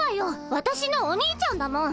わたしのお兄ちゃんだもん。